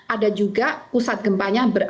ada juga pusat gempanya